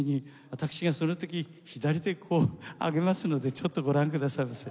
私がその時左手こう上げますのでちょっとご覧くださいませ。